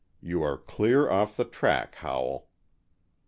You are clear off the track, Howell."